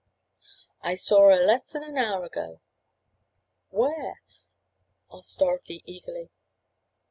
"I sawr her less 'n hour ago." "Where?" asked Dorothy, eagerly.